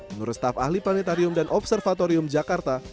menurut staf ahli planetarium dan observatorium jakarta